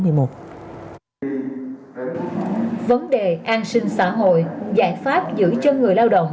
vấn đề an sinh xã hội giải pháp giữ chân người lao động